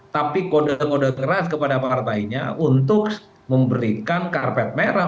tapi kode kode keras kepada partainya untuk memberikan karpet merah